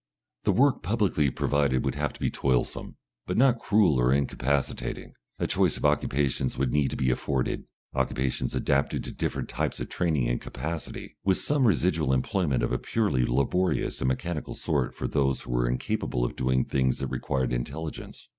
The work publicly provided would have to be toilsome, but not cruel or incapacitating. A choice of occupations would need to be afforded, occupations adapted to different types of training and capacity, with some residual employment of a purely laborious and mechanical sort for those who were incapable of doing the things that required intelligence.